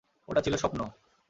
ওটা ছিল স্বপ্ন।